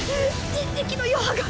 電撃の余波が。